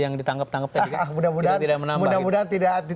yang ditangkep tangkep tadi kak mudah mudahan